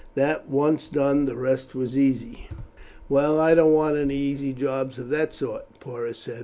That once done the rest was easy." "Well, I don't want any easy jobs of that sort," Porus said.